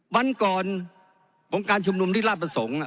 วันก่อนของการชมนุมฤทธิระสงฆ์